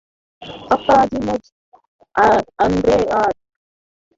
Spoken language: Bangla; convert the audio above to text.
পাপ্পাদিমোস, আন্দ্রেয়ার জায়গায় এবার তোমার পালা।